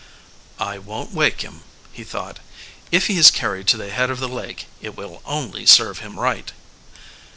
"I won't wake him," he thought. "If he is carried to the head of the lake, it will only serve him right."